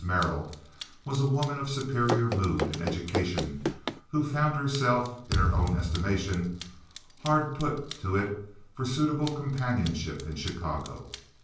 Merrill was a woman of superior mood and education who found herself, in her own estimation, hard put to it for suitable companionship in Chicago.